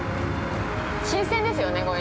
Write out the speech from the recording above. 新鮮ですよね。